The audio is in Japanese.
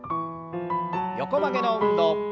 横曲げの運動。